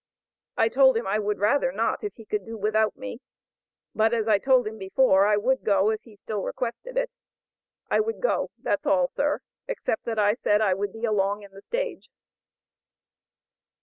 I told him I would rather not, if he could do without out me; but as I told him before, I would go, if he still requested it. I would go; that's all, sir, except that I said I would be along in the stage.